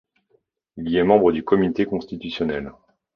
Il y est membre du comité constitutionnel.